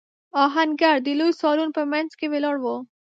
آهنګر د لوی سالون په مينځ کې ولاړ و.